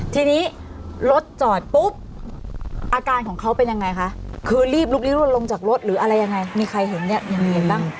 ทีนี้รถจอดปุ๊บอาการของเขาเป็นยังไงคะคือรีบลุกลี่รวดลงจากรถหรืออะไรยังไงมีใครเห็นเนี่ยยังไงบ้าง